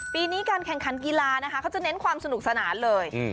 ปีนี้การแข่งขันกีฬานะคะเขาจะเน้นความสนุกสนานเลย